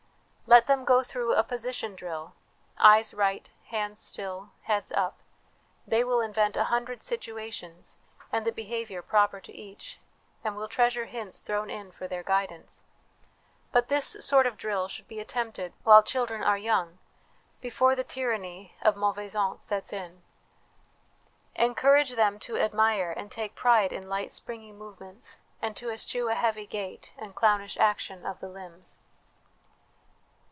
Let them go through a position drill eyes right, hands still, heads up. They will invent a hundred situations, and the behaviour proper to each, and will treasure hints thrown in for their guidance ; but this sort of drill should be attempted while children are young, before the tyranny of mauvaise honte sets in. Encourage them to admire and take pride in light springing movements, and to eschew a heavy gait and clownish action of the limbs.